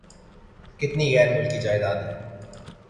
کتنی غیر ملکی جائیدادیں ہیں۔